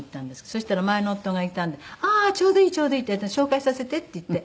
そしたら前の夫がいたんで「ああちょうどいいちょうどいい紹介させて」って言って。